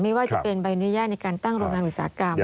ไม่ว่าจะเป็นใบอนุญาตในการตั้งโรงงานอุตสาหกรรม